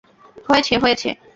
হয়েছে, হয়েছে।